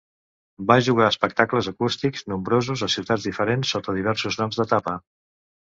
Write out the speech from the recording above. Va jugar espectacles acústics nombrosos a ciutats diferents sota diversos noms d'etapa.